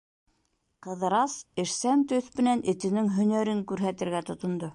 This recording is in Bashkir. Ҡыҙырас эшсән төҫ менән этенең һәнәрен күрһәтергә тотондо.